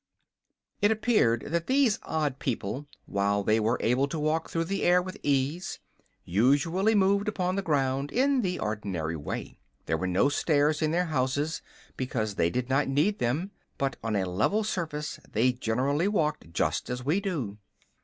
It appeared that these odd people, while they were able to walk through the air with ease, usually moved upon the ground in the ordinary way. There were no stairs in their houses, because they did not need them, but on a level surface they generally walked just as we do.